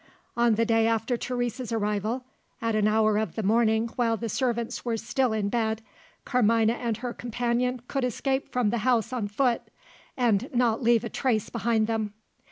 On the day after Teresa's arrival (at an hour of the morning while the servants were still in bed) Carmina and her companion could escape from the house on foot and not leave a trace behind them.